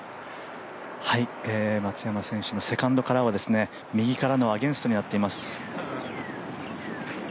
松山選手のセカンドからは右からのアゲンストになっています。